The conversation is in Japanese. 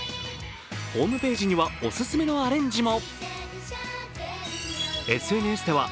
ホームページにはオススメのアレンジも。